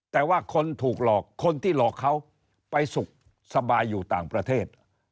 แต่ว่าคนถูกหลอกคนที่หลอกเขาไปสุขสบายอยู่ต่างประเทศ